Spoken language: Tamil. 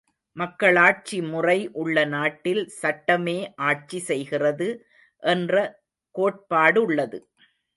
மக்களாட்சிமுறை உள்ள நாட்டில் சட்டமே ஆட்சி செய்கிறது என்ற கோட்பாடுள்ளது.